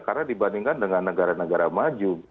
karena dibandingkan dengan negara negara maju